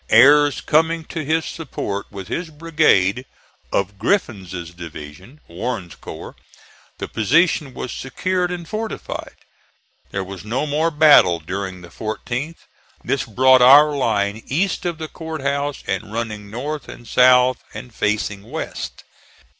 Ayres coming to his support with his brigade (of Griffin's division, Warren's corps), the position was secured and fortified. There was no more battle during the 14th. This brought our line east of the Court House and running north and south and facing west.